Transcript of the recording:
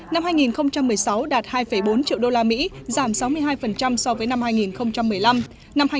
năm hai nghìn một mươi sáu đạt hai bốn triệu đô la mỹ giảm sáu mươi hai so với năm hai nghìn một mươi năm